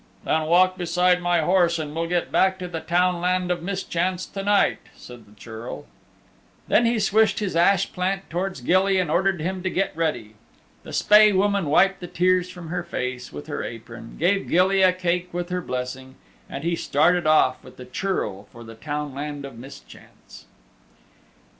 "Then walk beside my horse and we'll get back to the Townland of Mischance to night," said the Churl. Then he swished his ash plant towards Gilly and ordered him to get ready. The Spae Woman wiped the tears from her face with her apron, gave Gilly a cake with her blessing, and he started off with the Churl for the Townland of Mischance.